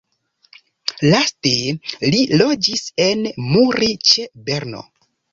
Laste li loĝis en Muri ĉe Berno.